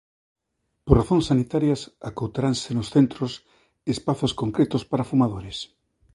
Por razóns sanitarias, acoutaranse nos Centros espazos concretos para fumadores.